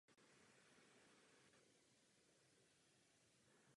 Je jednou z deseti obecních jednotek na ostrově.